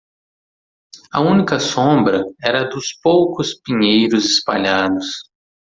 A única sombra era a dos poucos pinheiros espalhados.